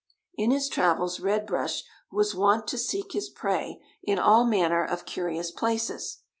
In his travels Red Brush was wont to seek his prey in all manner of curious places.